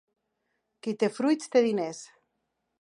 Qui té fruits, té diners.